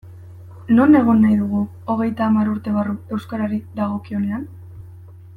Non egon nahi dugu hogeita hamar urte barru euskarari dagokionean?